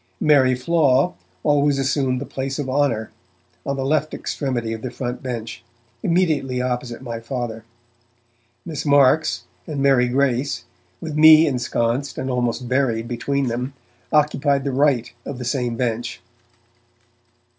Mary Flaw always assumed the place of honour, on the left extremity of the front bench, immediately opposite my Father. Miss Marks and Mary Grace, with me ensconced and almost buried between them, occupied the right of the same bench.